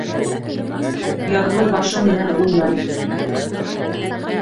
Ярлы башы менән уйлай.